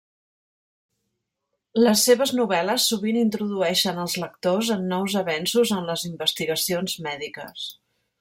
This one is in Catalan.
Les seves novel·les sovint introdueixen als lectors en nous avenços en les investigacions mèdiques.